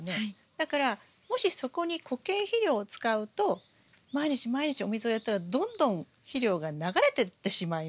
だからもしそこに固形肥料を使うと毎日毎日お水をやったらどんどん肥料が流れてってしまいますよね。